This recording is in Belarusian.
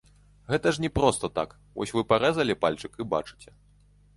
Гэта ж не проста так, вось вы парэзалі пальчык і бачыце.